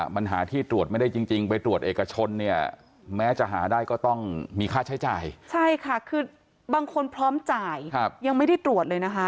บางคนพร้อมจ่ายยังไม่ได้ตรวจเลยนะฮะ